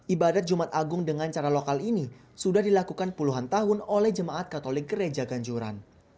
ibadat jumat agung dengan cara lokal ini sudah dilakukan puluhan tahun oleh jemaat katolik gereja ganjuran